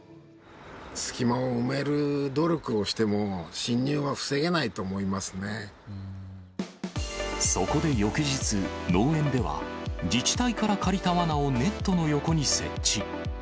隙間を埋める努力をしても、そこで翌日、農園では、自治体から借りたわなをネットの横に設置。